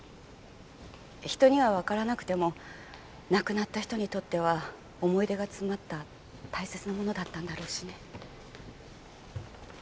人にはわからなくても亡くなった人にとっては思い出が詰まった大切なものだったんだろうしね。